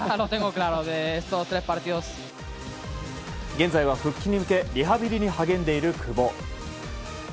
現在は復帰に向けリハビリに励んでいる久保。